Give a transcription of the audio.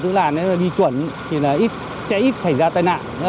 giữ làn đi chuẩn thì sẽ ít xảy ra tai nạn